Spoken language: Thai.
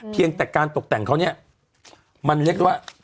เพียงแต่การตกแต่งเขาเนี่ยมันเรียกได้ว่า